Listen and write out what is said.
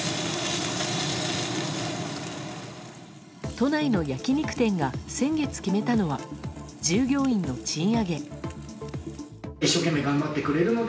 都内の焼き肉店が先月決めたのは従業員の賃上げ。